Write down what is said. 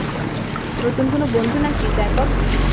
নতুন কোনো বন্ধু নাকি, জ্যাকব?